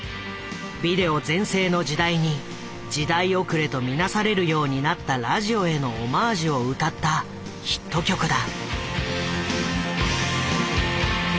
ビデオ全盛の時代に時代遅れとみなされるようになったラジオへのオマージュを歌ったヒット曲だ。